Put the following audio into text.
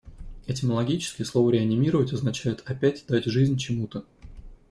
Этимологически слово "реанимировать" означает опять дать жизнь чему-то.